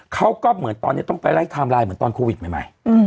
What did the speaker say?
เขาก็ต้องไปไล่ไทม์ไลน์เหมือนตอนโควิดใหม่